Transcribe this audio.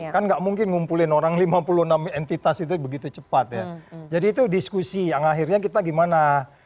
kan nggak mungkin ngumpulin orang lima puluh enam entitas itu begitu cepat ya jadi itu diskusi yang akhirnya kita gimana